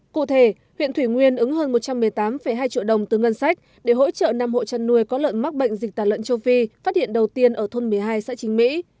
cụ thể huyện thủy nguyên ứng hơn một trăm một mươi tám hai triệu đồng từ ngân sách để hỗ trợ năm hộ chăn nuôi có lợn mắc bệnh dịch tàn lợn châu phi phát hiện đầu tiên ở thôn một mươi hai xã chính mỹ